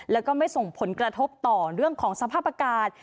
แล้วก็ไม่ส่งผลกระทบต่อเรื่องของสภาพอากาศ